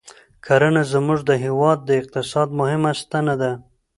کرنه زموږ د هېواد د اقتصاد مهمه ستنه ده